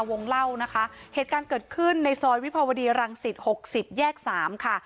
วงเล่านะคะเหตุการณ์เกิดขึ้นในซอยวิภาวดีรังสิตหกสิบแยกสามค่ะ